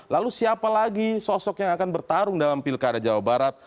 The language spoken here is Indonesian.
lalu siapa lagi sosok yang akan bertarung dalam pilkada jawa barat